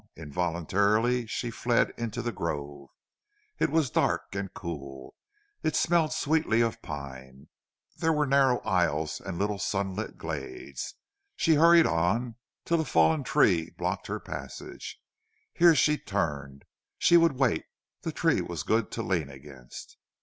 Involuntarily she fled into the grove. It was dark and cool; it smelled sweetly of pine; there were narrow aisles and little sunlit glades. She hurried on till a fallen tree blocked her passage. Here she turned she would wait the tree was good to lean against.